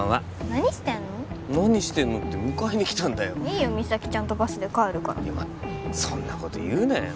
何してんのって迎えに来たんだよいいよ実咲ちゃんとバスで帰るからいやお前そんなこと言うなよ